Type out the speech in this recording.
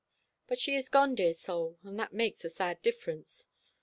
But she is gone, dear soul, and that makes a sad difference.